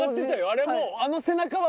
あれもう。